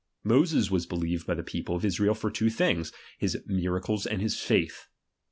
Moses was believed by the people of Israel for two things ; his mira cles and his faith.